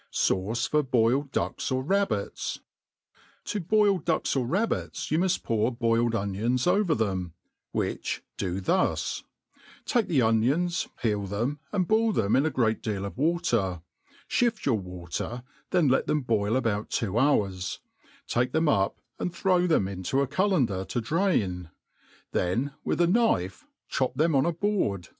Sauce for ^mUd Duels ^ Rabbits. TO boiled ducks or rab|)tt8, you muft pour boiled onions pver them, which do thus : take the onions, peel them, and boil them in a great deal of irater % ihift your water, then let diem boil about two hours, take them up and throw them into I cullender to drain* then |if ith a kn^fe chop them on a board.